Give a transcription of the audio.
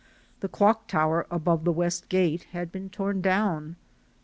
The clock tower above the West gate had been torn down.